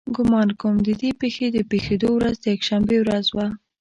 ګمان کوم د دې پېښې د پېښېدو ورځ د یکشنبې ورځ وه.